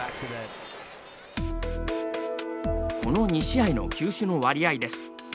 この２試合の球種の割合です。